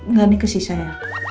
nggak ini ke sisa ya